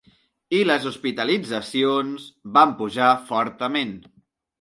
I les hospitalitzacions van pujar fortament.